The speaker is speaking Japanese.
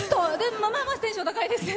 まあまあテンション高いですね